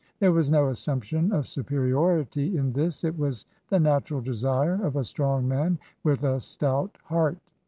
There was no assumption of superiority in this. It was the natural desire of a strong man with a stout heart.